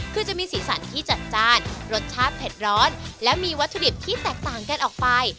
คือจะมีสีสันที่จัดจ้านรสชาติเผ็ดร้อนและมีวัตถุดิบที่แตกต่างกันออกไป